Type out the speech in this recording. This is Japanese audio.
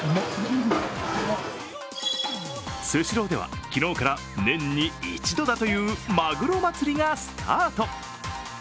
スシローでは昨日から年に１度だというまぐろ祭がスタート。